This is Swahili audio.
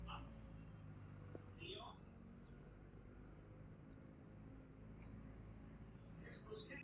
usioweza kudhibitiwa ambao unaweza kutatuliwa tu kwa mapinduzi